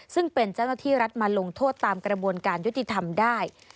ซึ่งเป็นเจ้าหน้าที่รัฐมาลงโทษตามกระบวนการยุติธรรมได้